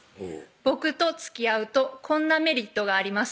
「僕とつきあうとこんなメリットがあります」